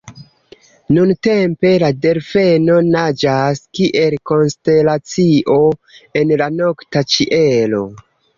Nuntempe la Delfeno naĝas kiel konstelacio en la nokta ĉielo.